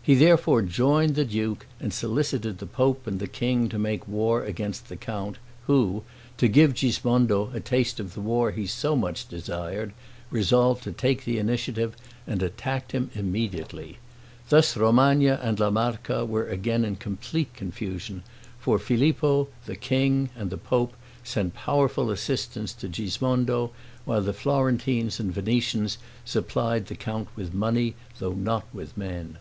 He therefore joined the duke, and solicited the pope and the king to make war against the count, who, to give Gismondo a taste of the war he so much desired, resolved to take the initiative, and attacked him immediately. Thus Romagna and La Marca were again in complete confusion, for Filippo, the king, and the pope, sent powerful assistance to Gismondo, while the Florentines and Venetians supplied the count with money, though not with men.